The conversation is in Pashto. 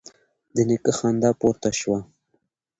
د نيکه خندا پورته شوه: